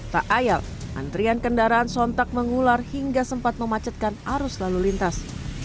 tak ayal antrian kendaraan sontak mengular hingga sempat memacetkan arus lalu lintas